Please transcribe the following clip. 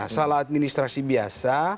salah administrasi biasa